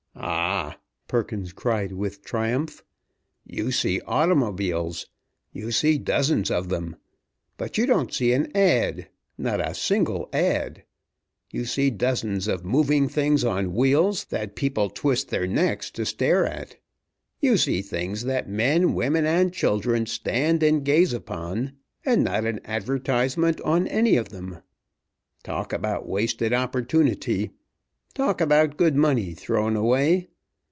"Ah!" Perkins cried with triumph. "You see automobiles! You see dozens of them! But you don't see an ad. not a single ad. You see dozens of moving things on wheels that people twist their necks to stare at. You see things that men, women, and children stand and gaze upon, and not an advertisement on any of them! Talk about wasted opportunity! Talk about good money thrown away!